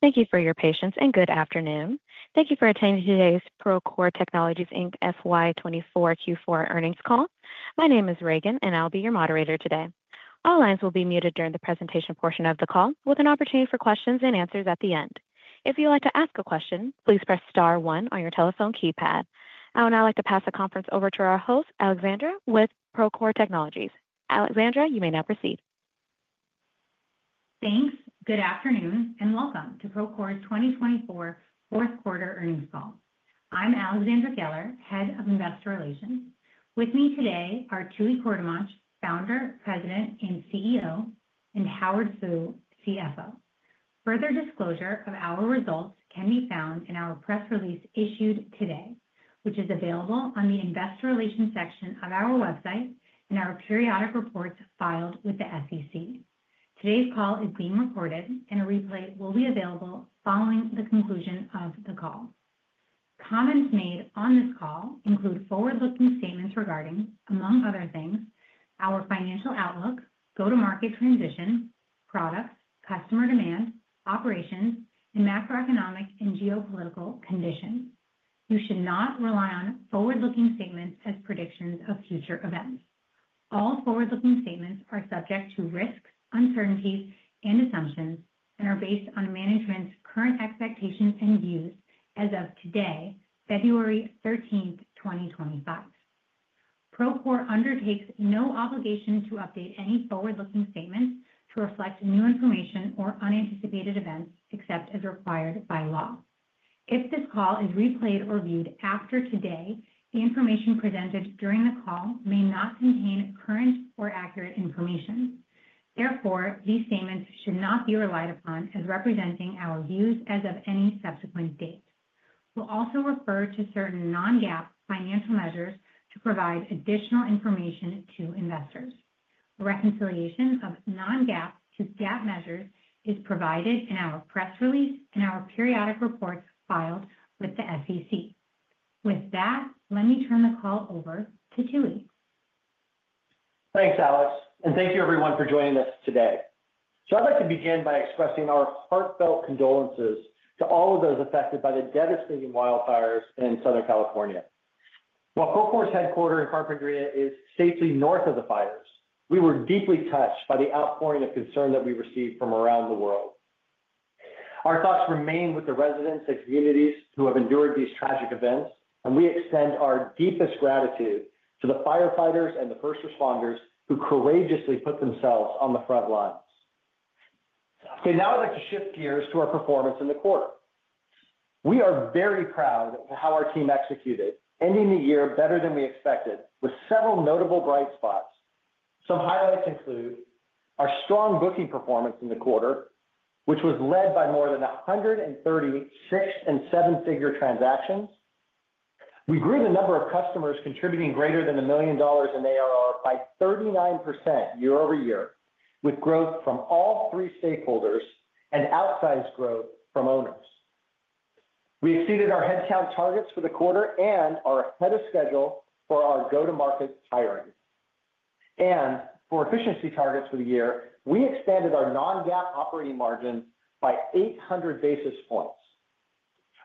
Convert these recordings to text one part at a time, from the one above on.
Thank you for your patience and good afternoon. Thank you for attending today's Procore Technologies Inc. FY24 Q4 earnings call. My name is Reagan, and I'll be your moderator today. All lines will be muted during the presentation portion of the call, with an opportunity for questions and answers at the end. If you'd like to ask a question, please press star one on your telephone keypad. I would now like to pass the conference over to our host, Alexandra, with Procore Technologies. Alexandra, you may now proceed. Thanks. Good afternoon and welcome to Procore's 2024 fourth quarter earnings call. I'm Alexandra Geller, head of investor relations. With me today are Tooey Courtemanche, Founder, President, and CEO, and Howard Fu, CFO. Further disclosure of our results can be found in our press release issued today, which is available on the investor relations section of our website and our periodic reports filed with the SEC. Today's call is being recorded, and a replay will be available following the conclusion of the call. Comments made on this call include forward-looking statements regarding, among other things, our financial outlook, go-to-market transition, products, customer demand, operations, and macroeconomic and geopolitical conditions. You should not rely on forward-looking statements as predictions of future events. All forward-looking statements are subject to risks, uncertainties, and assumptions, and are based on management's current expectations and views as of today, February 13th, 2025. Procore undertakes no obligation to update any forward-looking statements to reflect new information or unanticipated events except as required by law. If this call is replayed or viewed after today, the information presented during the call may not contain current or accurate information. Therefore, these statements should not be relied upon as representing our views as of any subsequent date. We'll also refer to certain non-GAAP financial measures to provide additional information to investors. Reconciliation of non-GAAP to GAAP measures is provided in our press release and our periodic reports filed with the SEC. With that, let me turn the call over to Tooey. Thanks, Alex, and thank you, everyone, for joining us today. So I'd like to begin by expressing our heartfelt condolences to all of those affected by the devastating wildfires in Southern California. While Procore's headquarters in Carpinteria is safely north of the fires, we were deeply touched by the outpouring of concern that we received from around the world. Our thoughts remain with the residents and communities who have endured these tragic events, and we extend our deepest gratitude to the firefighters and the first responders who courageously put themselves on the front lines. Okay, now I'd like to shift gears to our performance in the quarter. We are very proud of how our team executed, ending the year better than we expected, with several notable bright spots. Some highlights include our strong booking performance in the quarter, which was led by more than 13 six- and seven-figure transactions. We grew the number of customers contributing greater than a million dollars in ARR by 39% year over year, with growth from all three stakeholders and outsized growth from owners. We exceeded our headcount targets for the quarter and are ahead of schedule for our go-to-market hiring. And for efficiency targets for the year, we expanded our non-GAAP operating margin by 800 basis points.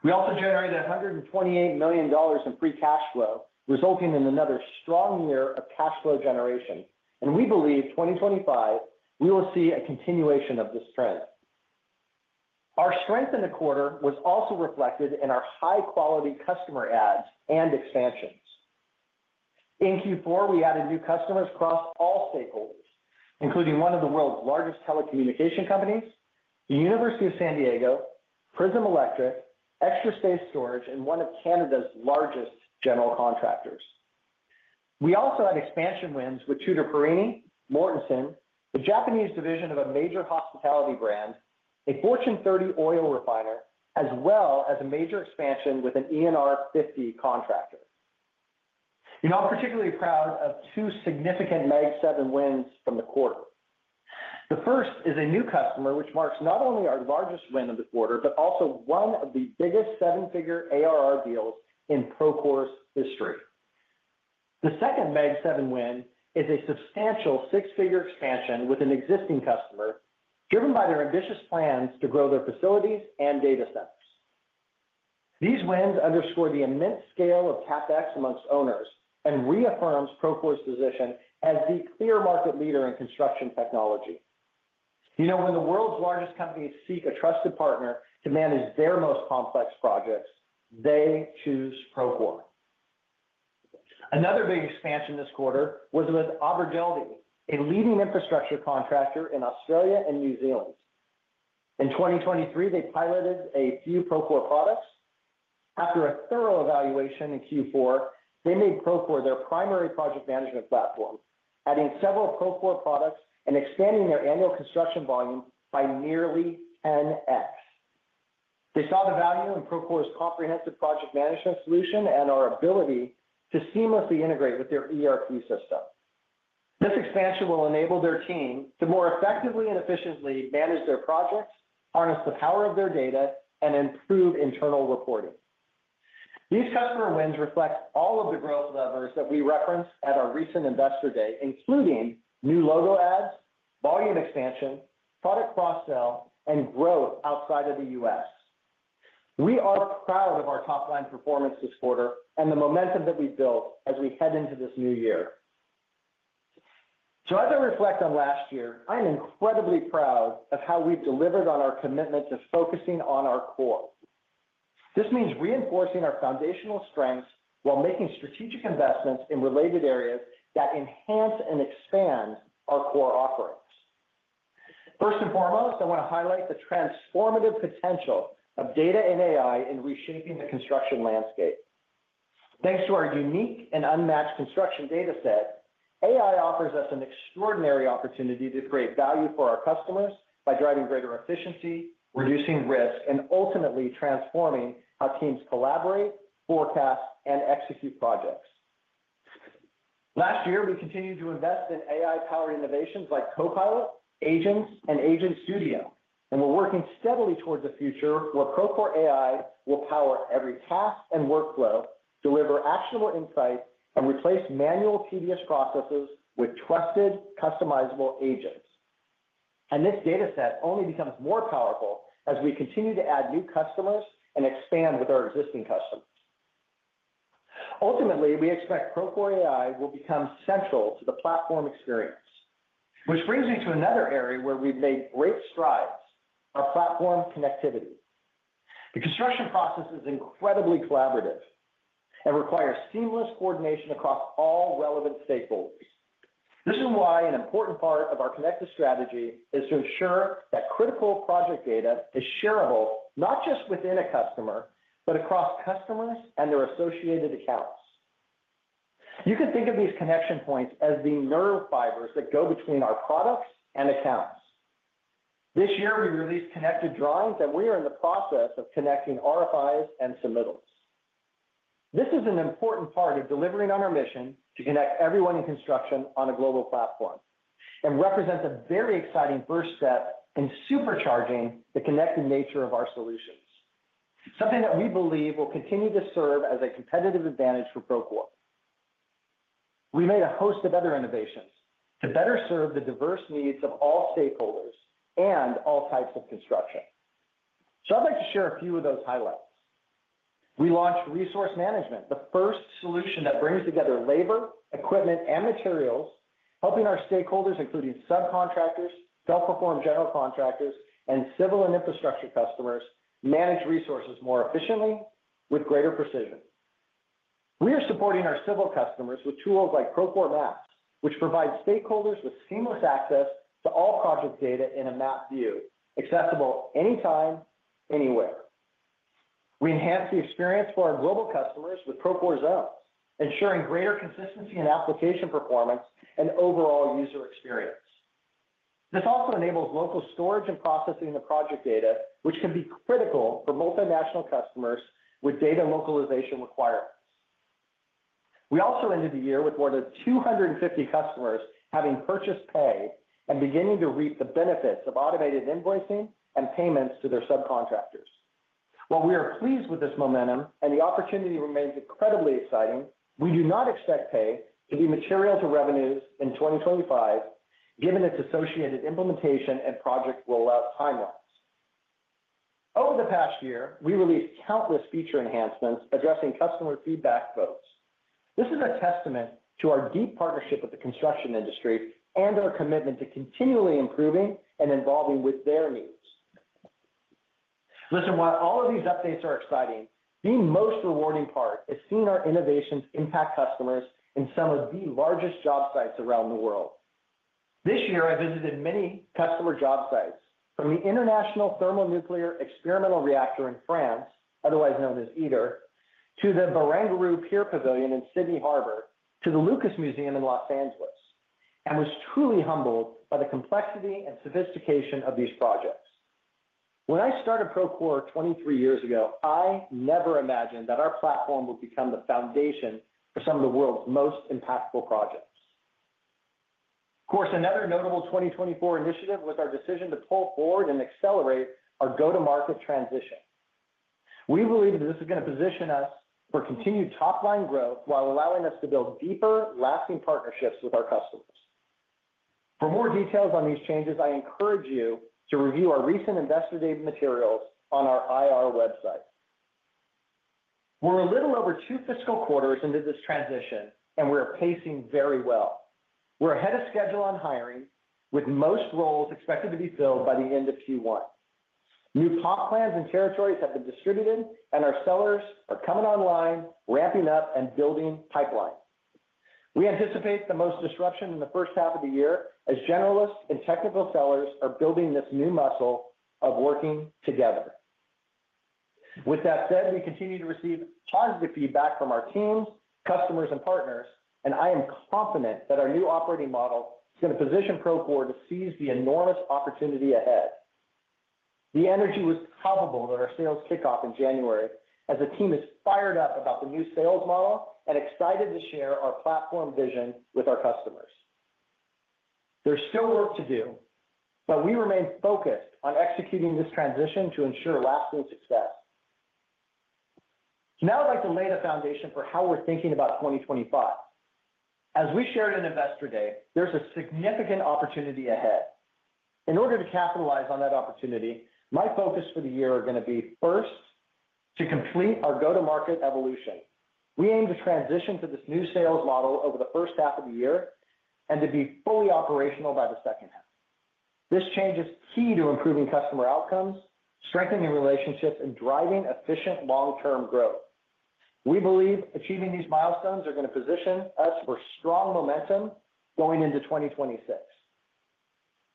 We also generated $128 million in free cash flow, resulting in another strong year of cash flow generation, and we believe 2025 we will see a continuation of this trend. Our strength in the quarter was also reflected in our high-quality customer adds and expansions. In Q4, we added new customers across all stakeholders, including one of the world's largest telecommunications companies, the University of San Diego, Prism Electric, Extra Space Storage, and one of Canada's largest general contractors. We also had expansion wins with Tutor Perini, Mortenson, the Japanese division of a major hospitality brand, a Fortune 30 oil refiner, as well as a major expansion with an ENR 50 contractor. I'm particularly proud of two significant Mag 7 wins from the quarter. The first is a new customer, which marks not only our largest win of the quarter, but also one of the biggest seven-figure ARR deals in Procore's history. The second Mag 7 win is a substantial six-figure expansion with an existing customer, driven by their ambitious plans to grow their facilities and data centers. These wins underscore the immense scale of CapEx amongst owners and reaffirm Procore's position as the clear market leader in construction technology. You know, when the world's largest companies seek a trusted partner to manage their most complex projects, they choose Procore. Another big expansion this quarter was with Abergeldie, a leading infrastructure contractor in Australia and New Zealand. In 2023, they piloted a few Procore products. After a thorough evaluation in Q4, they made Procore their primary project management platform, adding several Procore products and expanding their annual construction volume by nearly 10x. They saw the value in Procore's comprehensive project management solution and our ability to seamlessly integrate with their ERP system. This expansion will enable their team to more effectively and efficiently manage their projects, harness the power of their data, and improve internal reporting. These customer wins reflect all of the growth levers that we referenced at our recent investor day, including new logo ads, volume expansion, product cross-sell, and growth outside of the U.S. We are proud of our top-line performance this quarter and the momentum that we've built as we head into this new year. So as I reflect on last year, I'm incredibly proud of how we've delivered on our commitment to focusing on our core. This means reinforcing our foundational strengths while making strategic investments in related areas that enhance and expand our core offerings. First and foremost, I want to highlight the transformative potential of data and AI in reshaping the construction landscape. Thanks to our unique and unmatched construction data set, AI offers us an extraordinary opportunity to create value for our customers by driving greater efficiency, reducing risk, and ultimately transforming how teams collaborate, forecast, and execute projects. Last year, we continued to invest in AI-powered innovations like Copilot, Agents, and Agent Studio, and we're working steadily towards a future where Procore AI will power every task and workflow, deliver actionable insights, and replace manual tedious processes with trusted, customizable agents. And this data set only becomes more powerful as we continue to add new customers and expand with our existing customers. Ultimately, we expect Procore AI will become central to the platform experience, which brings me to another area where we've made great strides: our platform connectivity. The construction process is incredibly collaborative and requires seamless coordination across all relevant stakeholders. This is why an important part of our connected strategy is to ensure that critical project data is shareable not just within a customer, but across customers and their associated accounts. You can think of these connection points as the nerve fibers that go between our products and accounts. This year, we released Connected Drawings that we are in the process of connecting RFIs and Submittals. This is an important part of delivering on our mission to connect everyone in construction on a global platform and represents a very exciting first step in supercharging the connected nature of our solutions, something that we believe will continue to serve as a competitive advantage for Procore. We made a host of other innovations to better serve the diverse needs of all stakeholders and all types of construction. So I'd like to share a few of those highlights. We launched Resource Management, the first solution that brings together labor, equipment, and materials, helping our stakeholders, including subcontractors, self-perform general contractors, and civil and infrastructure customers, manage resources more efficiently with greater precision. We are supporting our civil customers with tools like Procore Maps, which provides stakeholders with seamless access to all project data in a map view, accessible anytime, anywhere. We enhance the experience for our global customers with Procore Zones, ensuring greater consistency in application performance and overall user experience. This also enables local storage and processing of project data, which can be critical for multinational customers with data localization requirements. We also ended the year with more than 250 customers having purchased pay and beginning to reap the benefits of automated invoicing and payments to their subcontractors. While we are pleased with this momentum and the opportunity remains incredibly exciting, we do not expect pay to be material to revenues in 2025, given its associated implementation and project rollout timelines. Over the past year, we released countless feature enhancements addressing customer feedback votes. This is a testament to our deep partnership with the construction industry and our commitment to continually improving and evolving with their needs. Listen, while all of these updates are exciting, the most rewarding part is seeing our innovations impact customers in some of the largest job sites around the world. This year, I visited many customer job sites, from the International Thermonuclear Experimental Reactor in France, otherwise known as ITER, to the Barangaroo Pier Pavilion in Sydney Harbor, to the Lucas Museum in Los Angeles, and was truly humbled by the complexity and sophistication of these projects. When I started Procore 23 years ago, I never imagined that our platform would become the foundation for some of the world's most impactful projects. Of course, another notable 2024 initiative was our decision to pull forward and accelerate our go-to-market transition. We believe that this is going to position us for continued top-line growth while allowing us to build deeper, lasting partnerships with our customers. For more details on these changes, I encourage you to review our recent investor-related materials on our IR website. We're a little over two fiscal quarters into this transition, and we are pacing very well. We're ahead of schedule on hiring, with most roles expected to be filled by the end of Q1. New plans and territories have been distributed, and our sellers are coming online, ramping up and building pipelines. We anticipate the most disruption in the first half of the year as generalists and technical sellers are building this new muscle of working together. With that said, we continue to receive positive feedback from our teams, customers, and partners, and I am confident that our new operating model is going to position Procore to seize the enormous opportunity ahead. The energy was palpable in our sales kickoff in January as the team is fired up about the new sales model and excited to share our platform vision with our customers. There's still work to do, but we remain focused on executing this transition to ensure lasting success. So now I'd like to lay the foundation for how we're thinking about 2025. As we shared in investor day, there's a significant opportunity ahead. In order to capitalize on that opportunity, my focus for the year is going to be first to complete our go-to-market evolution. We aim to transition to this new sales model over the first half of the year and to be fully operational by the second half. This change is key to improving customer outcomes, strengthening relationships, and driving efficient long-term growth. We believe achieving these milestones is going to position us for strong momentum going into 2026.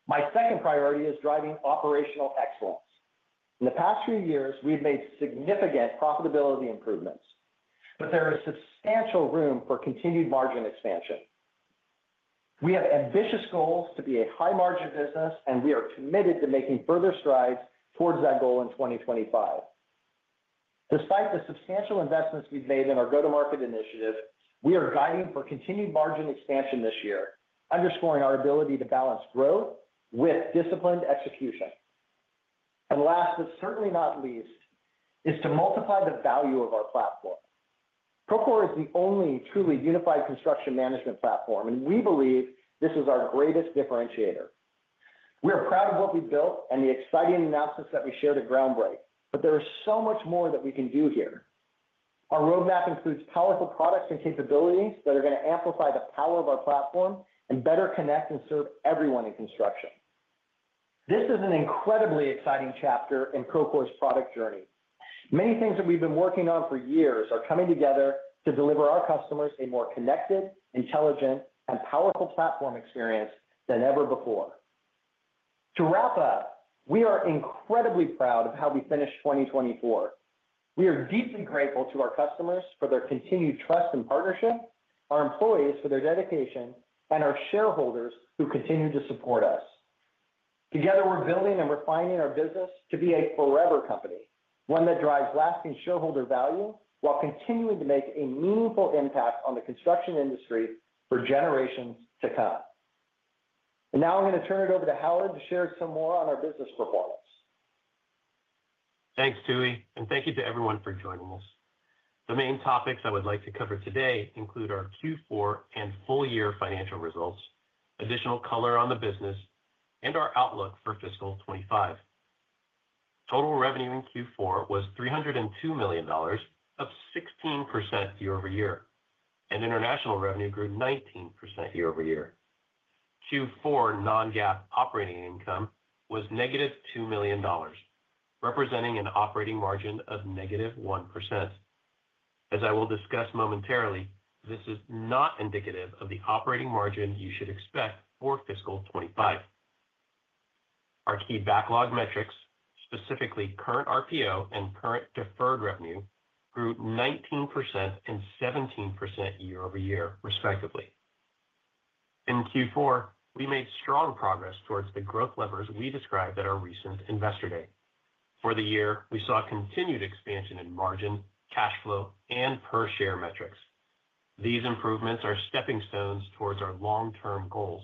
My second priority is driving operational excellence. In the past few years, we've made significant profitability improvements, but there is substantial room for continued margin expansion. We have ambitious goals to be a high-margin business, and we are committed to making further strides toward that goal in 2025. Despite the substantial investments we've made in our go-to-market initiative, we are guiding for continued margin expansion this year, underscoring our ability to balance growth with disciplined execution. And last, but certainly not least, is to multiply the value of our platform. Procore is the only truly unified construction management platform, and we believe this is our greatest differentiator. We are proud of what we built and the exciting announcements that we shared at Groundbreak, but there is so much more that we can do here. Our roadmap includes powerful products and capabilities that are going to amplify the power of our platform and better connect and serve everyone in construction. This is an incredibly exciting chapter in Procore's product journey. Many things that we've been working on for years are coming together to deliver our customers a more connected, intelligent, and powerful platform experience than ever before. To wrap up, we are incredibly proud of how we finished 2024. We are deeply grateful to our customers for their continued trust and partnership, our employees for their dedication, and our shareholders who continue to support us. Together, we're building and refining our business to be a forever company, one that drives lasting shareholder value while continuing to make a meaningful impact on the construction industry for generations to come. And now I'm going to turn it over to Howard to share some more on our business performance. Thanks, Tooey, and thank you to everyone for joining us. The main topics I would like to cover today include our Q4 and full-year financial results, additional color on the business, and our outlook for fiscal 2025. Total revenue in Q4 was $302 million, up 16% year over year, and international revenue grew 19% year over year. Q4 non-GAAP operating income was negative $2 million, representing an operating margin of negative 1%. As I will discuss momentarily, this is not indicative of the operating margin you should expect for fiscal 2025. Our key backlog metrics, specifically current RPO and current deferred revenue, grew 19% and 17% year over year, respectively. In Q4, we made strong progress towards the growth levers we described at our recent investor day. For the year, we saw continued expansion in margin, cash flow, and per-share metrics. These improvements are stepping stones towards our long-term goals.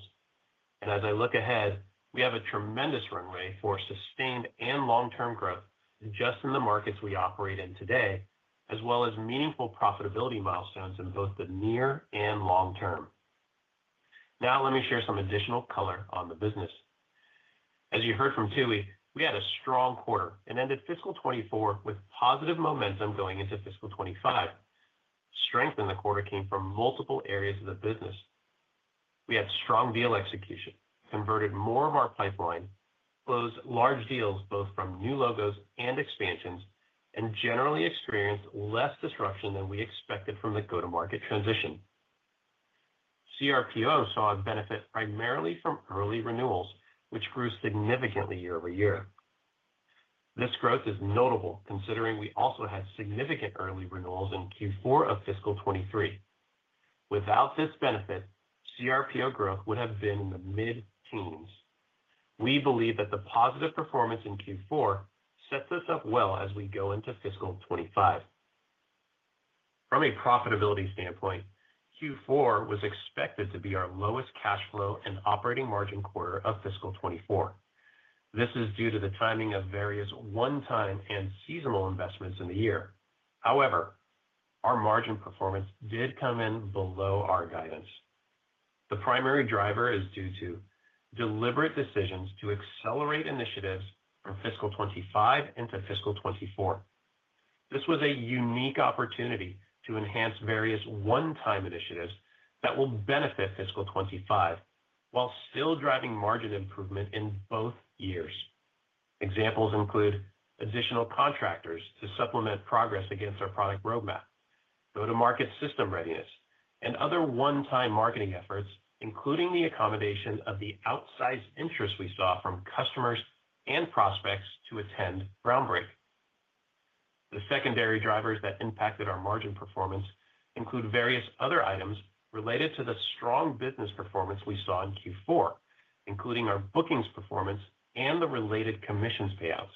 And as I look ahead, we have a tremendous runway for sustained and long-term growth just in the markets we operate in today, as well as meaningful profitability milestones in both the near and long term. Now let me share some additional color on the business. As you heard from Tooey, we had a strong quarter and ended fiscal 2024 with positive momentum going into fiscal 2025. Strength in the quarter came from multiple areas of the business. We had strong deal execution, converted more of our pipeline, closed large deals both from new logos and expansions, and generally experienced less disruption than we expected from the go-to-market transition. CRPO saw a benefit primarily from early renewals, which grew significantly year over year. This growth is notable considering we also had significant early renewals in Q4 of fiscal 2023. Without this benefit, CRPO growth would have been in the mid-teens. We believe that the positive performance in Q4 sets us up well as we go into fiscal 2025. From a profitability standpoint, Q4 was expected to be our lowest cash flow and operating margin quarter of fiscal 2024. This is due to the timing of various one-time and seasonal investments in the year. However, our margin performance did come in below our guidance. The primary driver is due to deliberate decisions to accelerate initiatives from fiscal 2025 into fiscal 2024. This was a unique opportunity to enhance various one-time initiatives that will benefit fiscal 2025 while still driving margin improvement in both years. Examples include additional contractors to supplement progress against our product roadmap, go-to-market system readiness, and other one-time marketing efforts, including the accommodation of the outsized interest we saw from customers and prospects to attend Groundbreak. The secondary drivers that impacted our margin performance include various other items related to the strong business performance we saw in Q4, including our bookings performance and the related commissions payouts,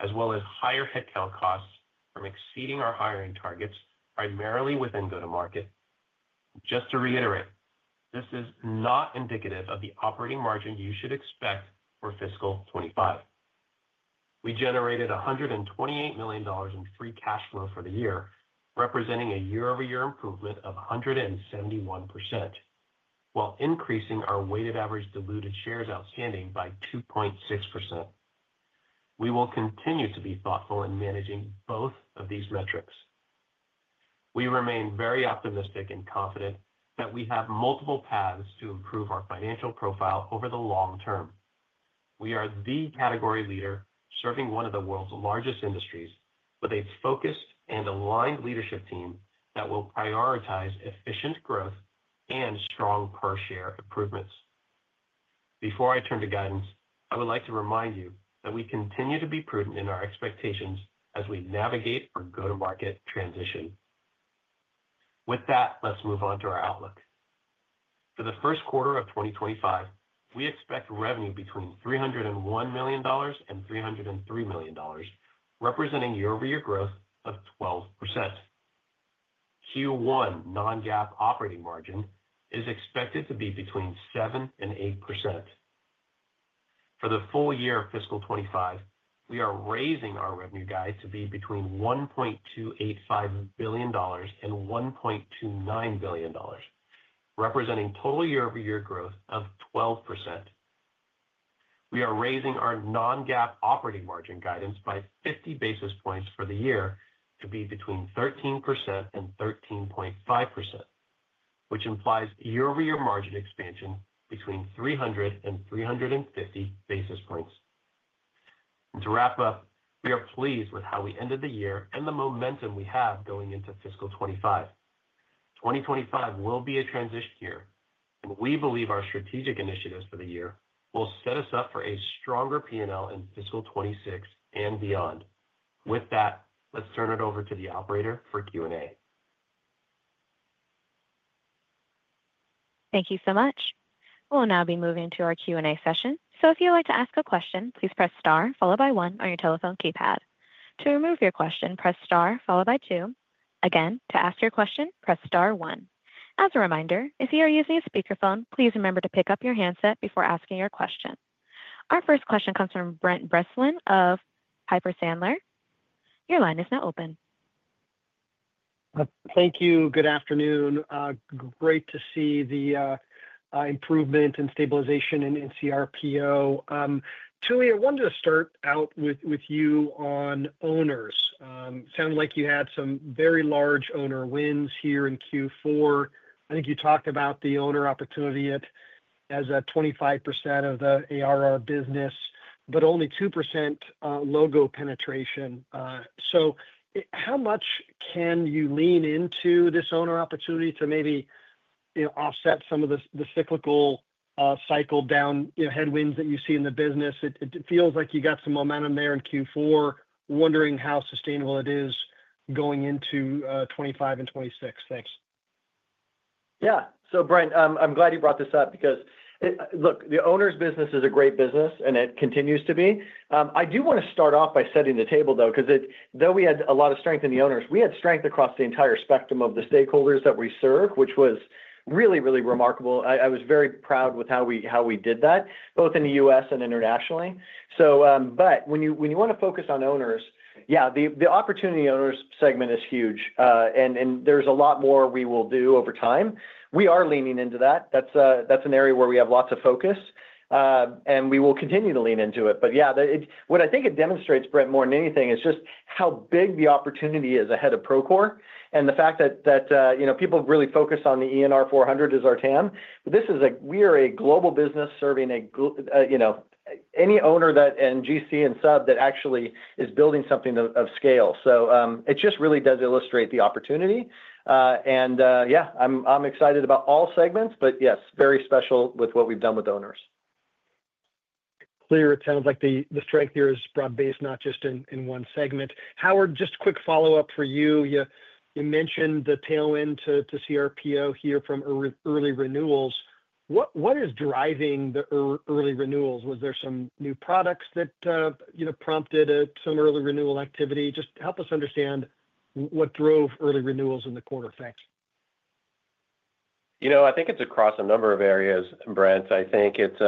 as well as higher headcount costs from exceeding our hiring targets, primarily within go-to-market. Just to reiterate, this is not indicative of the operating margin you should expect for fiscal 25. We generated $128 million in free cash flow for the year, representing a year-over-year improvement of 171%, while increasing our weighted average diluted shares outstanding by 2.6%. We will continue to be thoughtful in managing both of these metrics. We remain very optimistic and confident that we have multiple paths to improve our financial profile over the long term. We are the category leader serving one of the world's largest industries with a focused and aligned leadership team that will prioritize efficient growth and strong per-share improvements. Before I turn to guidance, I would like to remind you that we continue to be prudent in our expectations as we navigate our go-to-market transition. With that, let's move on to our outlook. For the first quarter of 2025, we expect revenue between $301-$303 million, representing year-over-year growth of 12%. Q1 non-GAAP operating margin is expected to be between 7-8%. For the full year of Fiscal 2025, we are raising our revenue guide to be between $1.285-$1.29 billion, representing total year-over-year growth of 12%. We are raising our non-GAAP operating margin guidance by 50 basis points for the year to be between 13% and 13.5%, which implies year-over-year margin expansion between 300 and 350 basis points. And to wrap up, we are pleased with how we ended the year and the momentum we have going into fiscal 25. 2025 will be a transition year, and we believe our strategic initiatives for the year will set us up for a stronger P&L in fiscal 26 and beyond. With that, let's turn it over to the operator for Q&A. Thank you so much. We'll now be moving to our Q&A session. So if you'd like to ask a question, please press star followed by one on your telephone keypad. To remove your question, press star followed by two. Again, to ask your question, press star one. As a reminder, if you are using a speakerphone, please remember to pick up your handset before asking your question. Our first question comes from Brent Bracelin of Piper Sandler. Your line is now open Thank you. Good afternoon. Great to see the improvement and stabilization in CRPO. Tooey, I wanted to start out with you on owners. Sounded like you had some very large owner wins here in Q4. I think you talked about the owner opportunity as a 25% of the ARR business, but only 2% logo penetration. So how much can you lean into this owner opportunity to maybe offset some of the cyclical cycle down headwinds that you see in the business? It feels like you got some momentum there in Q4. Wondering how sustainable it is going into 2025 and 2026. Thanks. Yeah So Brent, I'm glad you brought this up because, look, the owners' business is a great business, and it continues to be. I do want to start off by setting the table, though, because though we had a lot of strength in the owners, we had strength across the entire spectrum of the stakeholders that we serve, which was really, really remarkable. I was very proud with how we did that, both in the U.S. and internationally. But when you want to focus on owners, yeah, the opportunity owners segment is huge, and there's a lot more we will do over time. We are leaning into that. That's an area where we have lots of focus, and we will continue to lean into it. But yeah, what I think it demonstrates, Brent, more than anything, is just how big the opportunity is ahead of Procore and the fact that people really focus on the ENR 400 as our TAM. But this is a global business serving any owner and GC and sub that actually is building something of scale. So it just really does illustrate the opportunity. And yeah, I'm excited about all segments, but yes, very special with what we've done with owners. Clear. It sounds like the strength here is broad-based, not just in one segment. Howard, just a quick follow-up for you. You mentioned the tailwind to CRPO here from early renewals. What is driving the early renewals? Was there some new products that prompted some early renewal activity? Just help us understand what drove early renewals in the quarter. Thanks. I think it's across a number of areas, Brent. I think it's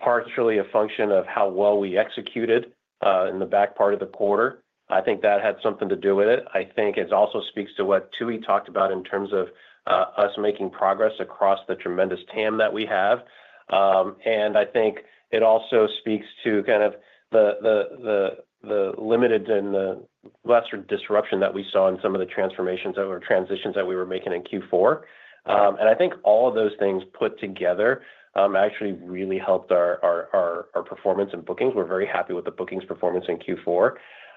partially a function of how well we executed in the back part of the quarter. I think that had something to do with it. I think it also speaks to what Tooey talked about in terms of us making progress across the tremendous TAM that we have. And I think it also speaks to kind of the limited and the lesser disruption that we saw in some of the transformations or transitions that we were making in Q4. And I think all of those things put together actually really helped our performance in bookings. We're very happy with the bookings performance in Q4.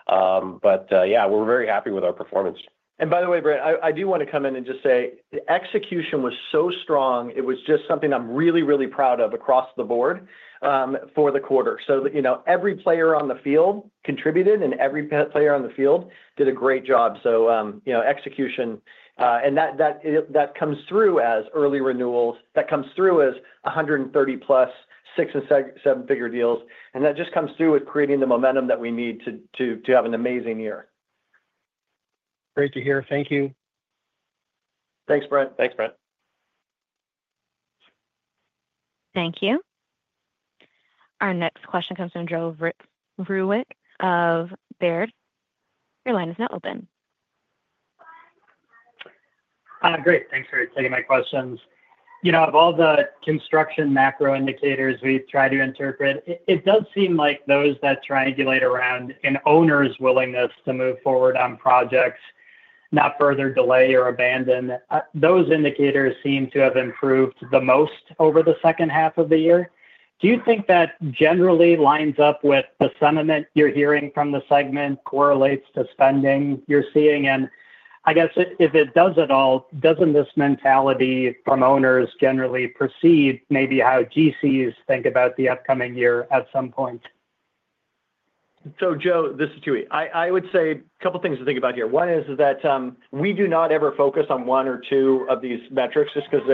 But yeah, we're very happy with our performance. And by the way, Brent, I do want to come in and just say the execution was so strong. It was just something I'm really, really proud of across the board for the quarter. So every player on the field contributed, and every player on the field did a great job. So execution, and that comes through as early renewals. That comes through as 130-plus six and seven-figure deals. And that just comes through with creating the momentum that we need to have an amazing year. Great to hear. Thank you. Thanks, Brent. Thanks, Brent. Thank you. Our next question comes from Joe Vruwink of Baird. Your line is now open. Great. Thanks for taking my questions. Of all the construction macro indicators we've tried to interpret, it does seem like those that triangulate around an owner's willingness to move forward on projects, not further delay or abandon, those indicators seem to have improved the most over the second half of the year. Do you think that generally lines up with the sentiment you're hearing from the segment, correlates to spending you're seeing? I guess if it does at all, doesn't this mentality from owners generally precede maybe how GCs think about the upcoming year at some point? So Joe, this is Tooey. I would say a couple of things to think about here. One is that we do not ever focus on one or two of these metrics just because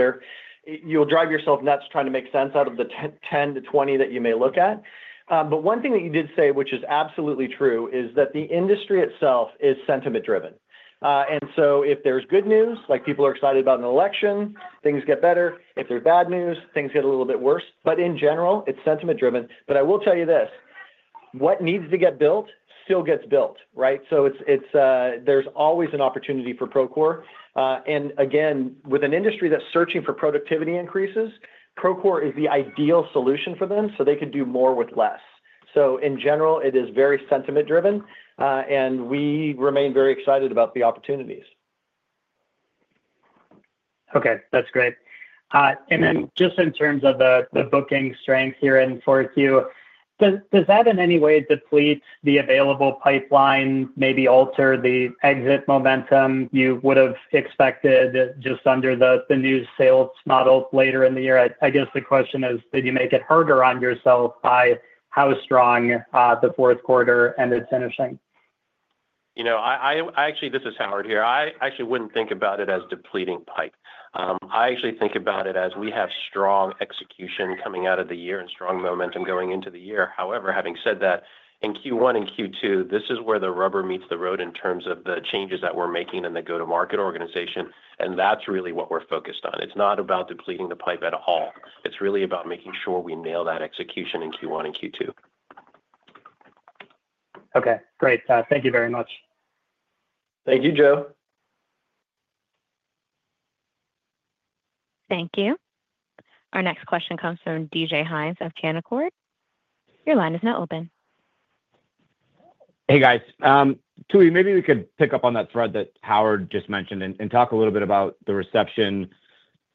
you'll drive yourself nuts trying to make sense out of the 10 to 20 that you may look at. But one thing that you did say, which is absolutely true, is that the industry itself is sentiment-driven. And so if there's good news, like people are excited about an election, things get better. If there's bad news, things get a little bit worse. But in general, it's sentiment-driven. But I will tell you this what needs to get built still gets built, right? So there's always an opportunity for Procore. And again, with an industry that's searching for productivity increases, Procore is the ideal solution for them so they could do more with less. So in general, it is very sentiment-driven, and we remain very excited about the opportunities. Okay. That's great. And then just in terms of the booking strength here in Q4, does that in any way deplete the available pipeline, maybe alter the exit momentum you would have expected just under the new sales model later in the year? I guess the question is, did you make it harder on yourself by how strong the fourth quarter ended finishing? Actually, this is Howard Fu here. I actually wouldn't think about it as depleting pipe. I actually think about it as we have strong execution coming out of the year and strong momentum going into the year. However, having said that, in Q1 and Q2, this is where the rubber meets the road in terms of the changes that we're making in the go-to-market organization, and that's really what we're focused on. It's not about depleting the pipe at all. It's really about making sure we nail that execution in Q1 and Q2. Okay. Great. Thank you very much. Thank you, Joe. Thank you. Our next question comes from DJ Hynes of Canaccord Genuity. Your line is now open. Hey, guys. Tooey, maybe we could pick up on that thread that Howard just mentioned and talk a little bit about the reception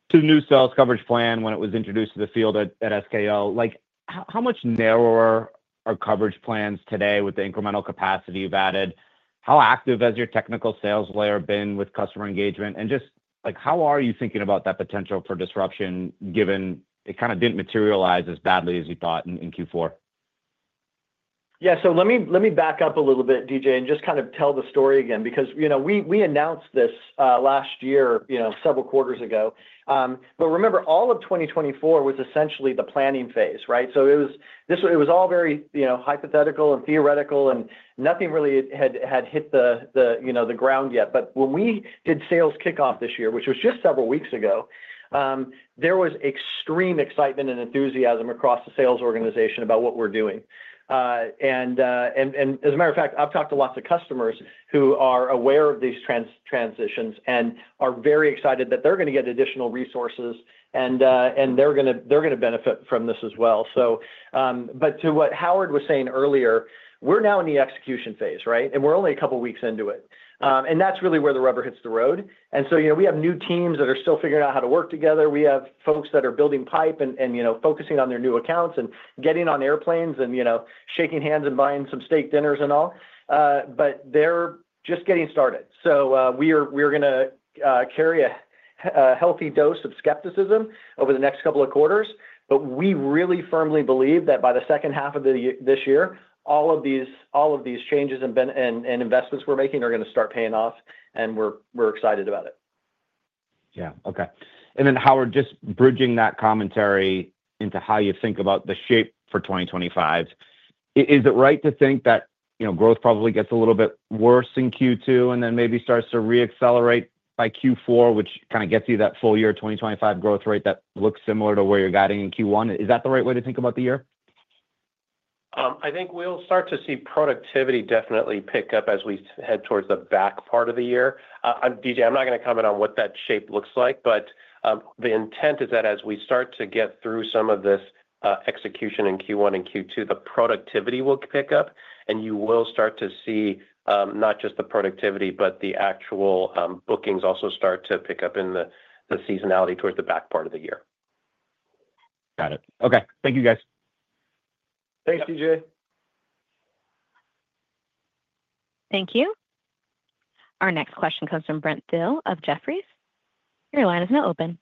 to the new sales coverage plan when it was introduced to the field at SKL. How much narrower are coverage plans today with the incremental capacity you've added? How active has your technical sales layer been with customer engagement? And just how are you thinking about that potential for disruption given it kind of didn't materialize as badly as you thought in Q4? Yeah. So let me back up a little bit, DJ, and just kind of tell the story again because we announced this last year several quarters ago. But remember, all of 2024 was essentially the planning phase, right? So it was all very hypothetical and theoretical, and nothing really had hit the ground yet. But when we did sales kickoff this year, which was just several weeks ago, there was extreme excitement and enthusiasm across the sales organization about what we're doing. And as a matter of fact, I've talked to lots of customers who are aware of these transitions and are very excited that they're going to get additional resources, and they're going to benefit from this as well. But to what Howard was saying earlier, we're now in the execution phase, right? And we're only a couple of weeks into it. And that's really where the rubber hits the road. And so we have new teams that are still figuring out how to work together. We have folks that are building pipe and focusing on their new accounts and getting on airplanes and shaking hands and buying some steak dinners and all. But they're just getting started. So we're going to carry a healthy dose of skepticism over the next couple of quarters. But we really firmly believe that by the second half of this year, all of these changes and investments we're making are going to start paying off, and we're excited about it. Yeah. Okay. Then Howard, just bridging that commentary into how you think about the shape for 2025, is it right to think that growth probably gets a little bit worse in Q2 and then maybe starts to reaccelerate by Q4, which kind of gets you that full year 2025 growth rate that looks similar to where you're guiding in Q1? Is that the right way to think about the year? I think we'll start to see productivity definitely pick up as we head towards the back part of the year. DJ, I'm not going to comment on what that shape looks like, but the intent is that as we start to get through some of this execution in Q1 and Q2, the productivity will pick up, and you will start to see not just the productivity, but the actual bookings also start to pick up in the seasonality towards the back part of the year. Got it. Okay. Thank you, guys. Thanks, DJ. Thank you. Our next question comes from Brent Thill of Jefferies. Your line is now open.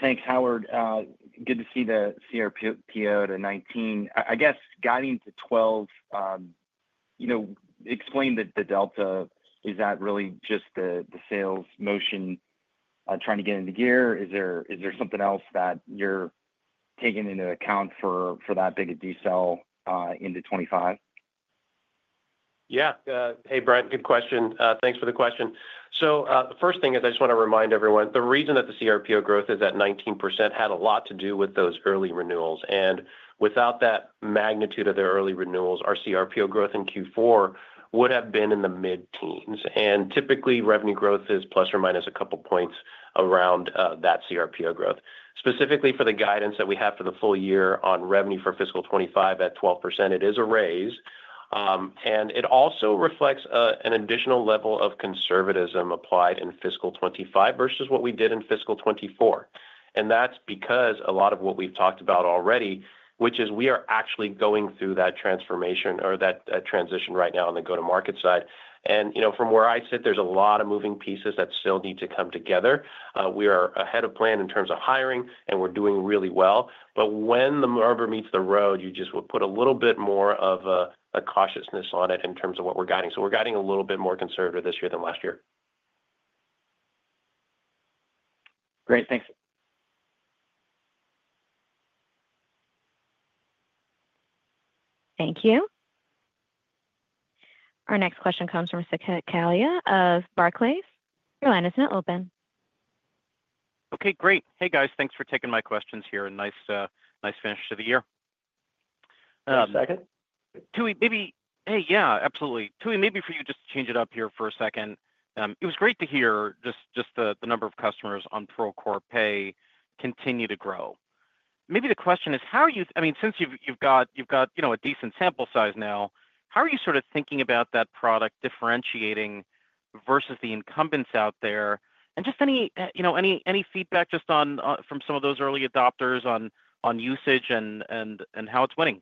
Thanks, Howard. Good to see the cRPO to 19. I guess guiding to 12, explain the delta. Is that really just the sales motion trying to get into gear? Is there something else that you're taking into account for that big a delta into 2025? Yeah. Hey, Brent, good question. Thanks for the question. So the first thing is I just want to remind everyone, the reason that the CRPO growth is at 19% had a lot to do with those early renewals. And without that magnitude of their early renewals, our CRPO growth in Q4 would have been in the mid-teens. And typically, revenue growth is plus or minus a couple of points around that CRPO growth. Specifically for the guidance that we have for the full year on revenue for fiscal 2025 at 12%, it is a raise. And it also reflects an additional level of conservatism applied in fiscal 2025 versus what we did in fiscal 2024. And that's because a lot of what we've talked about already, which is we are actually going through that transformation or that transition right now on the go-to-market side. And from where I sit, there's a lot of moving pieces that still need to come together. We are ahead of plan in terms of hiring, and we're doing really well. But when the rubber meets the road, you just will put a little bit more of a cautiousness on it in terms of what we're guiding. So we're guiding a little bit more conservative this year than last year. Great. Thanks. Thank you. Our next question comes from Saket Kalia of Barclays. Your line is now open. Okay. Great. Hey, guys. Thanks for taking my questions here. Nice finish to the year. Second. Tooey, maybe hey, yeah, absolutely. Tooey, maybe for you just to change it up here for a second. It was great to hear just the number of customers on Procore Pay continue to grow. Maybe the question is, how are you I mean, since you've got a decent sample size now, how are you sort of thinking about that product differentiating versus the incumbents out there? And just any feedback from some of those early adopters on usage and how it's winning?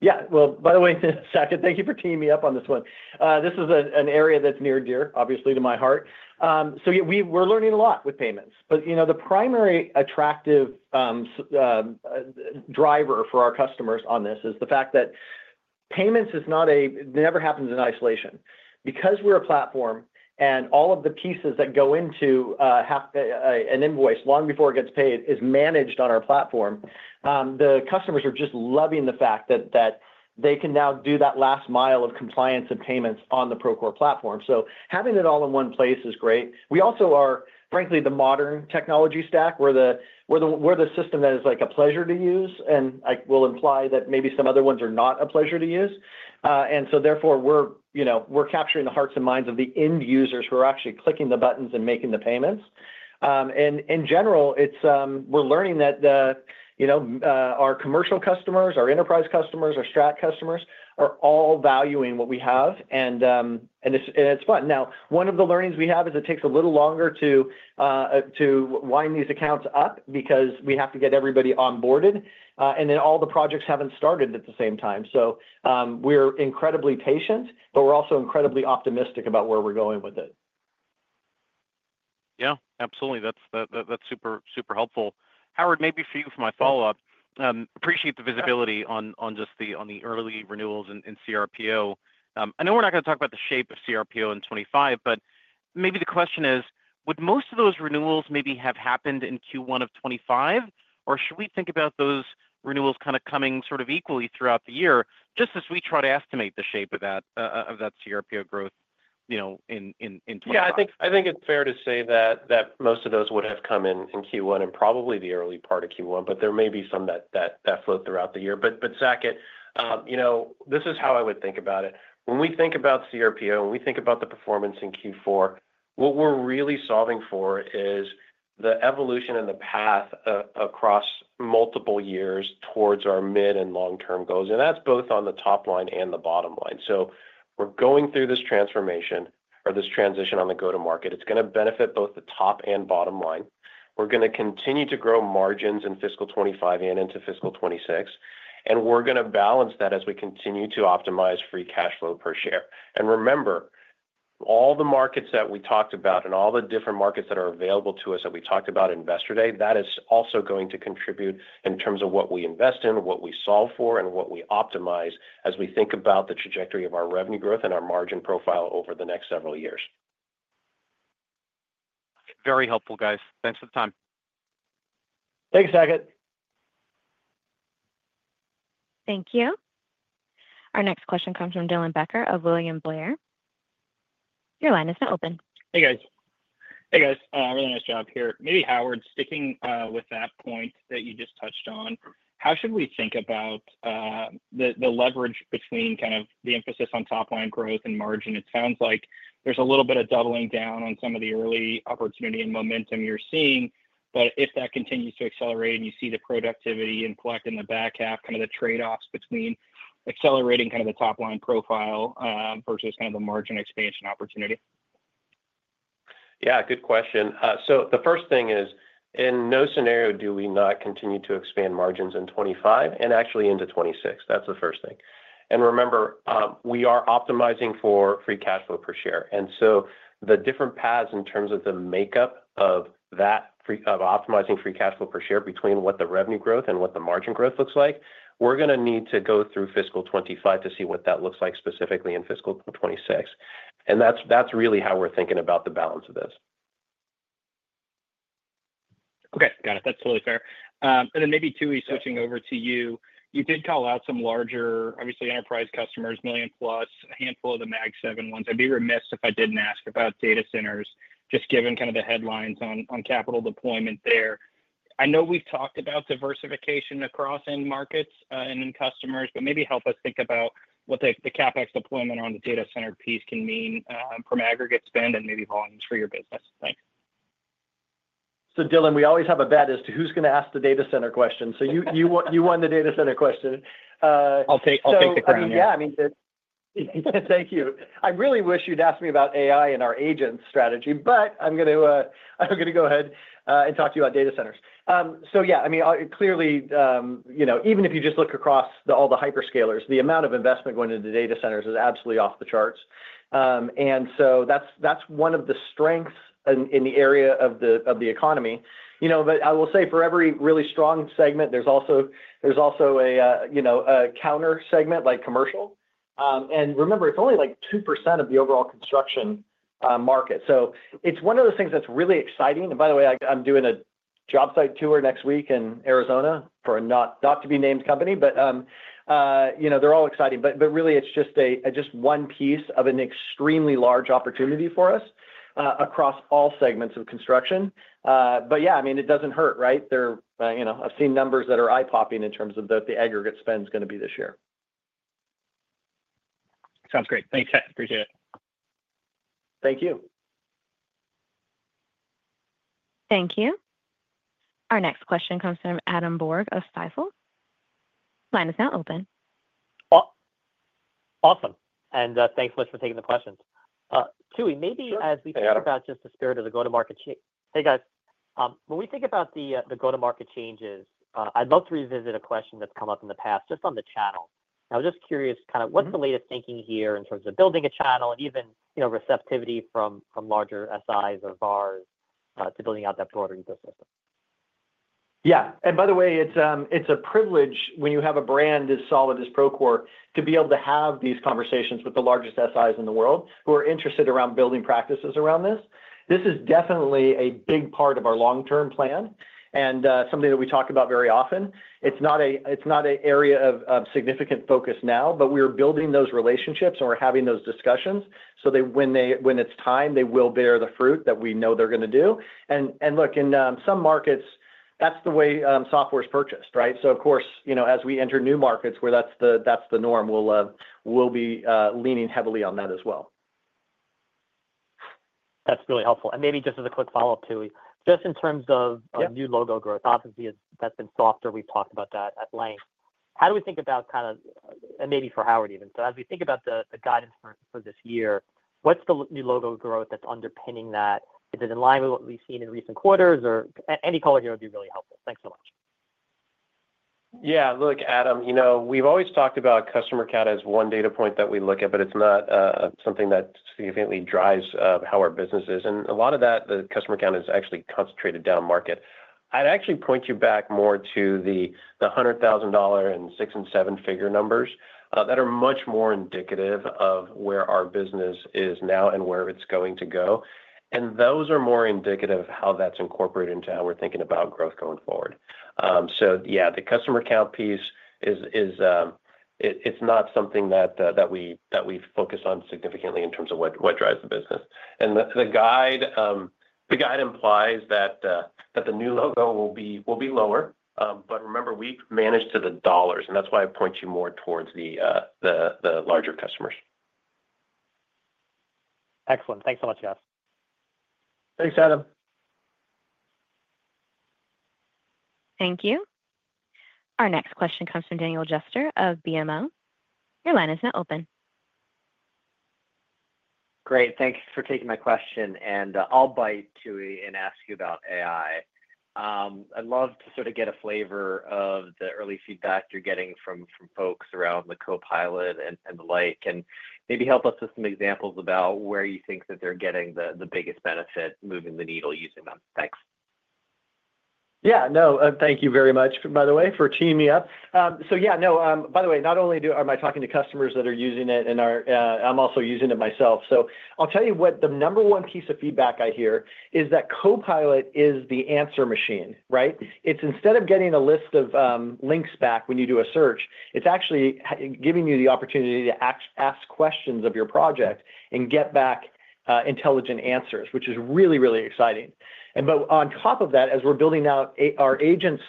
Yeah. By the way, Saket, thank you for teeing me up on this one. This is an area that's near and dear, obviously, to my heart. So we're learning a lot with payments. But the primary attractive driver for our customers on this is the fact that payments is not. It never happens in isolation. Because we're a platform and all of the pieces that go into an invoice long before it gets paid is managed on our platform, the customers are just loving the fact that they can now do that last mile of compliance and payments on the Procore platform, so having it all in one place is great. We also are, frankly, the modern technology stack. We're the system that is a pleasure to use, and I will imply that maybe some other ones are not a pleasure to use, and so therefore, we're capturing the hearts and minds of the end users who are actually clicking the buttons and making the payments, and in general, we're learning that our commercial customers, our enterprise customers, our Strat customers are all valuing what we have, and it's fun. Now, one of the learnings we have is it takes a little longer to wind these accounts up because we have to get everybody onboarded. And then all the projects haven't started at the same time. So we're incredibly patient, but we're also incredibly optimistic about where we're going with it. Yeah. Absolutely. That's super helpful. Howard, maybe for you, for my follow-up, appreciate the visibility on just the early renewals and CRPO. I know we're not going to talk about the shape of CRPO in 2025, but maybe the question is, would most of those renewals maybe have happened in Q1 of 2025? Or should we think about those renewals kind of coming sort of equally throughout the year just as we try to estimate the shape of that CRPO growth in 2025? Yeah. I think it's fair to say that most of those would have come in Q1 and probably the early part of Q1, but there may be some that float throughout the year. But Saket, this is how I would think about it. When we think about CRPO, when we think about the performance in Q4, what we're really solving for is the evolution in the path across multiple years towards our mid and long-term goals. And that's both on the top line and the bottom line. So we're going through this transformation or this transition on the go-to-market. It's going to benefit both the top and bottom line. We're going to continue to grow margins in fiscal 2025 and into fiscal 2026. And we're going to balance that as we continue to optimize free cash flow per share. Remember, all the markets that we talked about and all the different markets that are available to us that we talked about in yesterday, that is also going to contribute in terms of what we invest in, what we solve for, and what we optimize as we think about the trajectory of our revenue growth and our margin profile over the next several years. Very helpful, guys. Thanks for the time. Thanks, Saket. Thank you. Our next question comes from Dylan Becker of William Blair. Your line is now open. Hey, guys. Hey, guys. Really nice job here. Maybe Howard, sticking with that point that you just touched on, how should we think about the leverage between kind of the emphasis on top-line growth and margin? It sounds like there's a little bit of doubling down on some of the early opportunity and momentum you're seeing. But if that continues to accelerate and you see the productivity and collect in the back half, kind of the trade-offs between accelerating kind of the top-line profile versus kind of the margin expansion opportunity? Yeah. Good question. So the first thing is, in no scenario do we not continue to expand margins in 2025 and actually into 2026. That's the first thing. And remember, we are optimizing for free cash flow per share. And so the different paths in terms of the makeup of optimizing free cash flow per share between what the revenue growth and what the margin growth looks like, we're going to need to go through fiscal 2025 to see what that looks like specifically in fiscal 2026. And that's really how we're thinking about the balance of this. Okay. Got it. That's totally fair. And then maybe Tooey, switching over to you, you did call out some larger, obviously, enterprise customers, million-plus, a handful of the Mag 7 ones. I'd be remiss if I didn't ask about data centers, just given kind of the headlines on capital deployment there. I know we've talked about diversification across end markets and end customers, but maybe help us think about what the CapEx deployment on the data center piece can mean from aggregate spend and maybe volumes for your business. Thanks. So Dylan, we always have a bet as to who's going to ask the data center question. So you won the data center question. I'll take the crown. Yeah. I mean, thank you. I really wish you'd asked me about AI and our agent strategy, but I'm going to go ahead and talk to you about data centers. So yeah, I mean, clearly, even if you just look across all the hyperscalers, the amount of investment going into data centers is absolutely off the charts. And so that's one of the strengths in the area of the economy. But I will say for every really strong segment, there's also a counter segment like commercial. And remember, it's only like 2% of the overall construction market. So it's one of the things that's really exciting. And by the way, I'm doing a job site tour next week in Arizona for a not-to-be-named company, but they're all exciting. But really, it's just one piece of an extremely large opportunity for us across all segments of construction. But yeah, I mean, it doesn't hurt, right? I've seen numbers that are eye-popping in terms of the aggregate spend is going to be this year. Sounds great. That's great. Appreciate it. Thank you. Thank you. Our next question comes from Adam Borg of Stifel. Line is now open. Awesome. And thanks, Liz, for taking the questions. Tooey, maybe as we think about just the spirit of the go-to-market. Hey, guys. When we think about the go-to-market changes, I'd love to revisit a question that's come up in the past just on the channel. I was just curious kind of what's the latest thinking here in terms of building a channel and even receptivity from larger SIs or VARs to building out that broader ecosystem? Yeah. And by the way, it's a privilege when you have a brand as solid as Procore to be able to have these conversations with the largest SIs in the world who are interested around building practices around this. This is definitely a big part of our long-term plan and something that we talk about very often. It's not an area of significant focus now, but we are building those relationships and we're having those discussions. So when it's time, they will bear the fruit that we know they're going to do. And look, in some markets, that's the way software is purchased, right? So of course, as we enter new markets where that's the norm, we'll be leaning heavily on that as well. That's really helpful. And maybe just as a quick follow-up, Tooey, just in terms of new logo growth, obviously, that's been softer. We've talked about that at length. How do we think about kind of, and maybe for Howard even, so as we think about the guidance for this year, what's the new logo growth that's underpinning that? Is it in line with what we've seen in recent quarters? Or any color here would be really helpful. Thanks so much. Yeah. Look, Adam, we've always talked about customer count as one data point that we look at, but it's not something that significantly drives how our business is. And a lot of that, the customer count is actually concentrated down market. I'd actually point you back more to the $100,000 and six and seven figure numbers that are much more indicative of where our business is now and where it's going to go. And those are more indicative of how that's incorporated into how we're thinking about growth going forward. So yeah, the customer count piece, it's not something that we focus on significantly in terms of what drives the business. And the guide implies that the new logo will be lower. But remember, we manage to the dollars. And that's why I point you more towards the larger customers. Excellent. Thanks so much, guys. Thanks, Adam. Thank you. Thank you. Our next question comes from Daniel Jester of BMO. Your line is now open. Great. Thanks for taking my question. And I'll bite, Tooey, and ask you about AI. I'd love to sort of get a flavor of the early feedback you're getting from folks around the Copilot and the like. And maybe help us with some examples about where you think that they're getting the biggest benefit moving the needle using them. Thanks. Yeah. No, thank you very much, by the way, for teeing me up. So yeah, no, by the way, not only am I talking to customers that are using it, and I'm also using it myself. So I'll tell you what the number one piece of feedback I hear is that Copilot is the answer machine, right? It's instead of getting a list of links back when you do a search, it's actually giving you the opportunity to ask questions of your project and get back intelligent answers, which is really, really exciting. But on top of that, as we're building out our Agents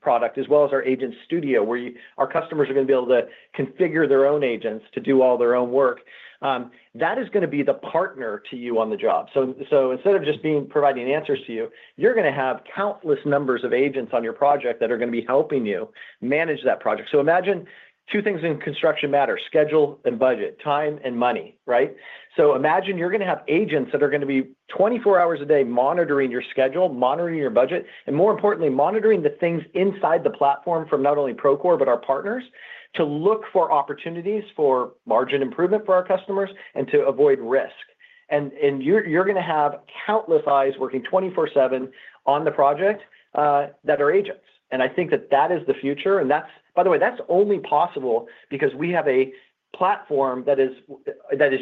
product as well as our Agent Studio, where our customers are going to be able to configure their own agents to do all their own work, that is going to be the partner to you on the job. So instead of just providing answers to you, you're going to have countless numbers of agents on your project that are going to be helping you manage that project. So imagine two things in construction matter schedule and budget, time and money, right? So imagine you're going to have agents that are going to be 24 hours a day monitoring your schedule, monitoring your budget, and more importantly, monitoring the things inside the platform from not only Procore, but our partners to look for opportunities for margin improvement for our customers and to avoid risk. And you're going to have countless eyes working 24/7 on the project that are agents. And I think that that is the future. And by the way, that's only possible because we have a platform that is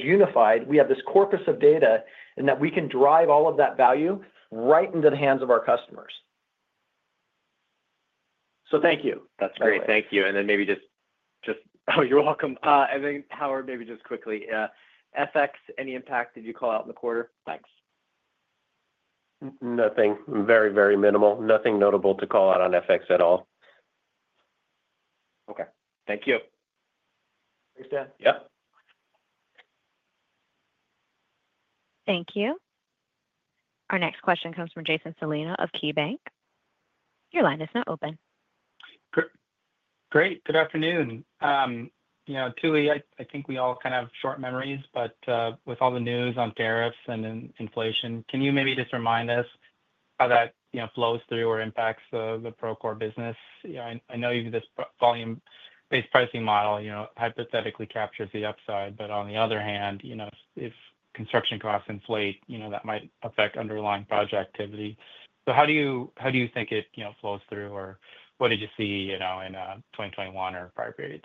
unified. We have this corpus of data in that we can drive all of that value right into the hands of our customers. So thank you. That's great. Thank you. And then maybe just, oh, you're welcome. And then, Howard, maybe just quickly, FX, any impact that you call out in the quarter? Thanks. Nothing. Very, very minimal. Nothing notable to call out on FX at all. Okay. Thank you. Thanks, Dan. Yep. Thank you. Our next question comes from Jason Celino of KeyBanc. Your line is now open. Great. Good afternoon. Tooey, I think we all kind of have short memories, but with all the news on tariffs and inflation, can you maybe just remind us how that flows through or impacts the Procore business? I know this volume-based pricing model hypothetically captures the upside, but on the other hand, if construction costs inflate, that might affect underlying project activity. So how do you think it flows through, or what did you see in 2021 or prior periods?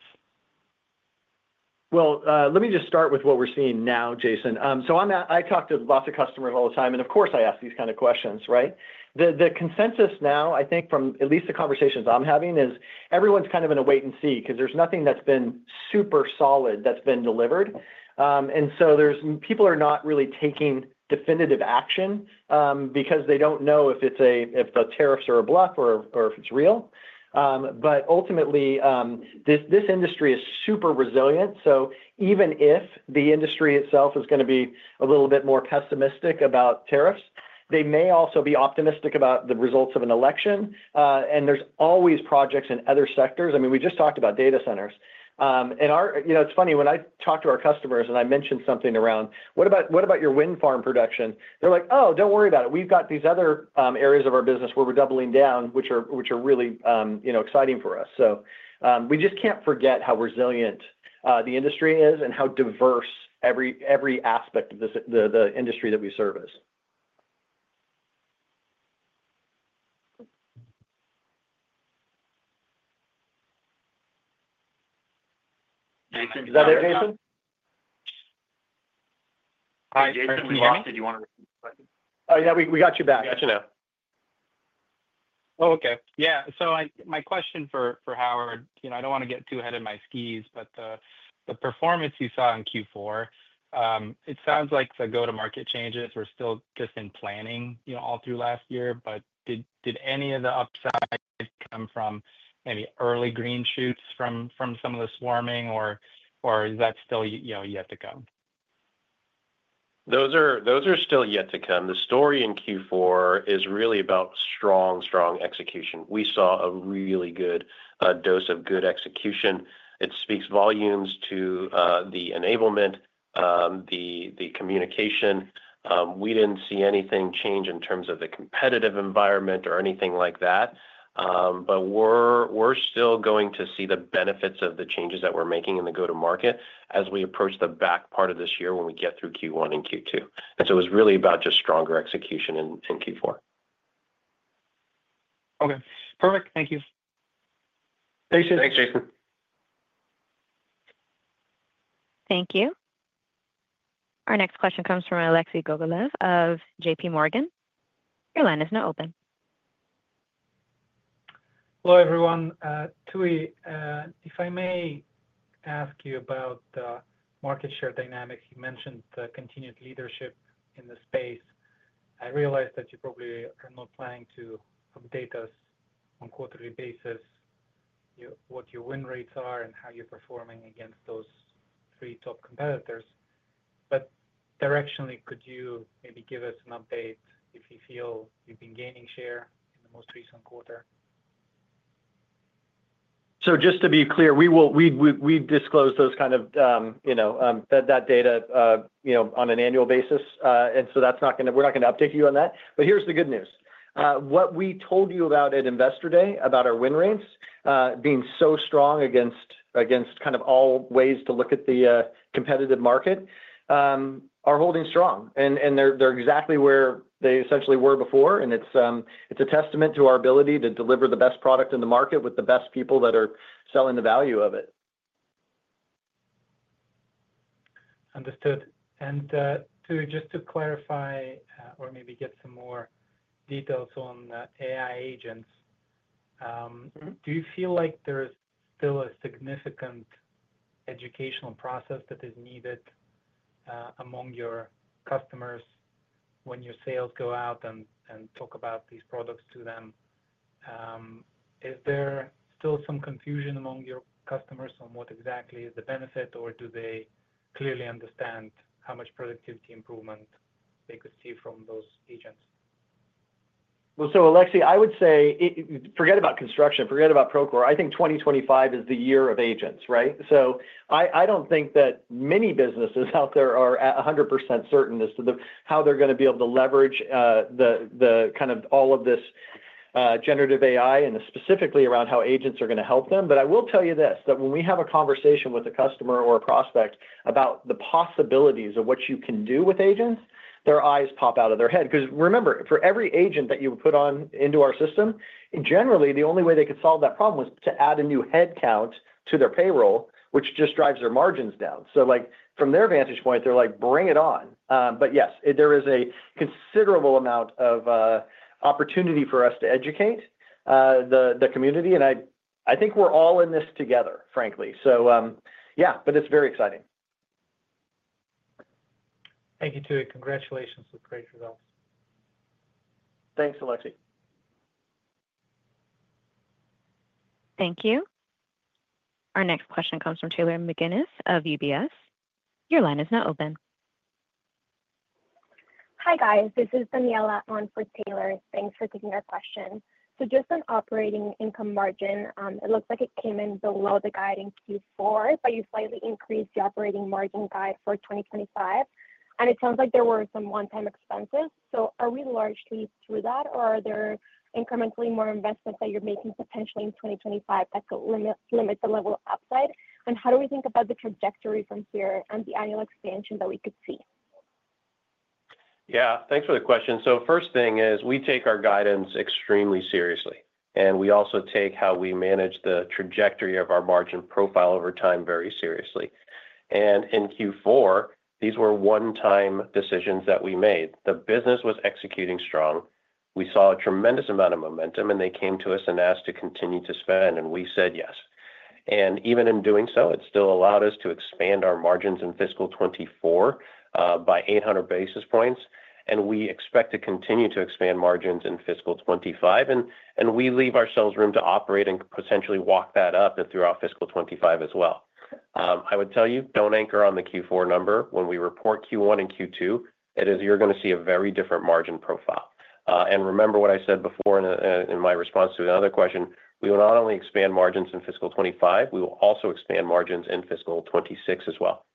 Well, let me just start with what we're seeing now, Jason. So I talk to lots of customers all the time, and of course, I ask these kind of questions, right? The consensus now, I think from at least the conversations I'm having, is everyone's kind of in a wait-and-see because there's nothing that's been super solid that's been delivered, and so people are not really taking definitive action because they don't know if the tariffs are a bluff or if it's real, but ultimately, this industry is super resilient, so even if the industry itself is going to be a little bit more pessimistic about tariffs, they may also be optimistic about the results of an election. And there's always projects in other sectors. I mean, we just talked about data centers, and it's funny, when I talk to our customers and I mention something around, "What about your wind farm production?" They're like, "Oh, don't worry about it. We've got these other areas of our business where we're doubling down, which are really exciting for us. So we just can't forget how resilient the industry is and how diverse every aspect of the industry that we service. Is that it, Jason? Hi, Jason. We lost you. Do you want to? Oh, yeah, we got you back. We got you now. Oh, okay. Yeah. So my question for Howard, I don't want to get too ahead of my skis, but the performance you saw in Q4, it sounds like the go-to-market changes were still just in planning all through last year. But did any of the upside come from maybe early green shoots from some of the swarming, or is that still yet to come? Those are still yet to come. The story in Q4 is really about strong, strong execution. We saw a really good dose of good execution. It speaks volumes to the enablement, the communication. We didn't see anything change in terms of the competitive environment or anything like that, but we're still going to see the benefits of the changes that we're making in the go-to-market as we approach the back part of this year when we get through Q1 and Q2, and so it was really about just stronger execution in Q4. Okay. Perfect. Thank you. Thanks, Jason. Thanks, Jason. Thank you. Our next question comes from Alexei Gogolev of J.P. Morgan. Your line is now open. Hello, everyone. Tooey, if I may ask you about the market share dynamics, you mentioned continued leadership in the space. I realized that you probably are not planning to update us on a quarterly basis, what your win rates are, and how you're performing against those three top competitors. But directionally, could you maybe give us an update if you feel you've been gaining share in the most recent quarter? So just to be clear, we disclose those kind of that data on an annual basis. And so that's not going to—we're not going to update you on that. But here's the good news. What we told you about at Investor Day, about our win rates being so strong against kind of all ways to look at the competitive market, are holding strong. And they're exactly where they essentially were before. And it's a testament to our ability to deliver the best product in the market with the best people that are selling the value of it. Understood. Tooey, just to clarify or maybe get some more details on the AI agents, do you feel like there's still a significant educational process that is needed among your customers when your sales go out and talk about these products to them? Is there still some confusion among your customers on what exactly is the benefit, or do they clearly understand how much productivity improvement they could see from those agents? Alexei, I would say forget about construction, forget about Procore. I think 2025 is the year of agents, right? So I don't think that many businesses out there are 100% certain as to how they're going to be able to leverage kind of all of this generative AI and specifically around how agents are going to help them. But I will tell you this, that when we have a conversation with a customer or a prospect about the possibilities of what you can do with agents, their eyes pop out of their head. Because remember, for every agent that you would put into our system, generally, the only way they could solve that problem was to add a new headcount to their payroll, which just drives their margins down. So from their vantage point, they're like, "Bring it on." But yes, there is a considerable amount of opportunity for us to educate the community. And I think we're all in this together, frankly. So yeah, but it's very exciting. Thank you, Tooey. Congratulations with great results. Thanks, Alexei. Thank you. Our next question comes from Taylor McGinnis of UBS. Your line is now open. Hi, guys. This is Daniela filling in for Taylor. Thanks for taking our question. So just on operating income margin, it looks like it came in below the guide in Q4, but you slightly increased the operating margin guide for 2025. And it sounds like there were some one-time expenses. So are we largely through that, or are there incrementally more investments that you're making potentially in 2025 that could limit the level of upside? And how do we think about the trajectory from here and the annual expansion that we could see? Yeah. Thanks for the question. So first thing is we take our guidance extremely seriously. And we also take how we manage the trajectory of our margin profile over time very seriously. And in Q4, these were one-time decisions that we made. The business was executing strong. We saw a tremendous amount of momentum, and they came to us and asked to continue to spend, and we said yes. And even in doing so, it still allowed us to expand our margins in fiscal 2024 by 800 basis points. And we expect to continue to expand margins in fiscal 2025. And we leave ourselves room to operate and potentially walk that up through our fiscal 2025 as well. I would tell you, don't anchor on the Q4 number. When we report Q1 and Q2, you're going to see a very different margin profile. And remember what I said before in my response to another question. We will not only expand margins in fiscal 2025, we will also expand margins in fiscal 2026 as well.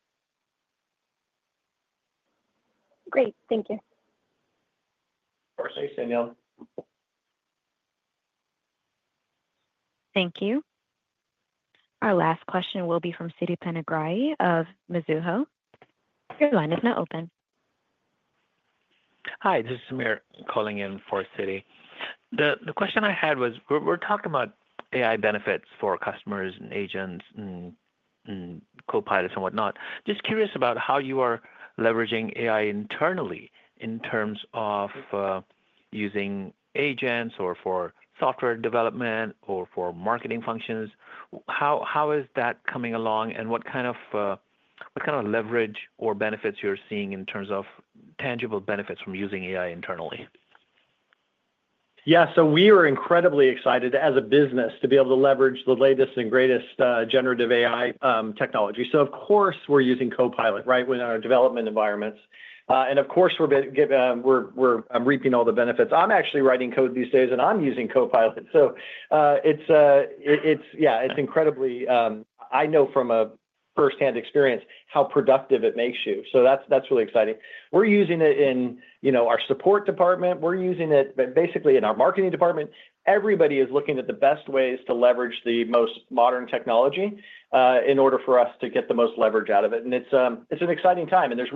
Great. Thank you. Of course, thanks, Daniela. Thank you. Our last question will be from Siti Panigrahi of Mizuho. Your line is now open. Hi, this is Samir calling in for Siti. The question I had was we're talking about AI benefits for customers and agents and Copilot and whatnot. Just curious about how you are leveraging AI internally in terms of using agents or for software development or for marketing functions. How is that coming along, and what kind of leverage or benefits you're seeing in terms of tangible benefits from using AI internally? Yeah. So we are incredibly excited as a business to be able to leverage the latest and greatest generative AI technology. So of course, we're using Copilot, right, within our development environments. And of course, we're reaping all the benefits. I'm actually writing code these days, and I'm using Copilot. So yeah, it's incredibly, I know from firsthand experience how productive it makes you. So that's really exciting. We're using it in our support department. We're using it basically in our marketing department. Everybody is looking at the best ways to leverage the most modern technology in order for us to get the most leverage out of it, and it's an exciting time, and there's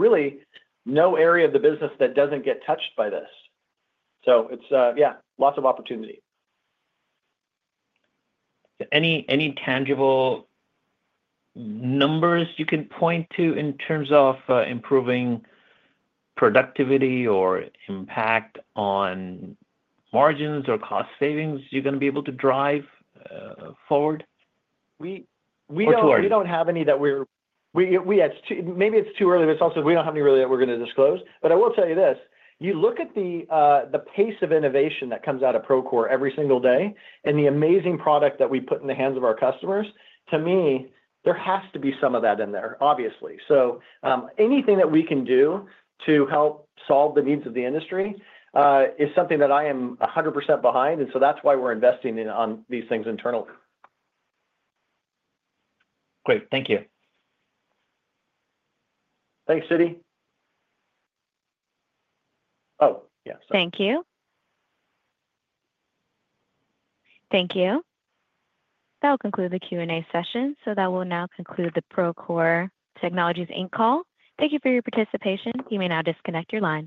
really no area of the business that doesn't get touched by this, so yeah, lots of opportunity. Any tangible numbers you can point to in terms of improving productivity or impact on margins or cost savings you're going to be able to drive forward? We don't have any that we're, maybe it's too early, but it's also we don't have any really that we're going to disclose. But I will tell you this. You look at the pace of innovation that comes out of Procore every single day and the amazing product that we put in the hands of our customers, to me, there has to be some of that in there, obviously. So anything that we can do to help solve the needs of the industry is something that I am 100% behind. And so that's why we're investing in these things internally. Great. Thank you. Thanks, Siti. Oh, yeah. Thank you. That will conclude the Q&A session. So that will now conclude the Procore Technologies, Inc. call. Thank you for your participation. You may now disconnect your line.